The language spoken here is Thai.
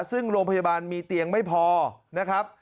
ซึ่งโรงพยาบาลมีเตียงไม่พอนะครับ